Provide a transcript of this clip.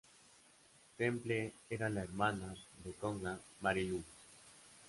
Temple era la hermana de Coghlan, Mary Lou.